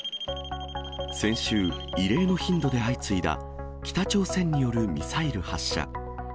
先週、異例の頻度で相次いだ北朝鮮によるミサイル発射。